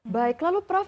baik lalu prof